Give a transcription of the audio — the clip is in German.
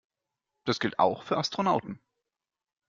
Das gilt auch für Astronauten.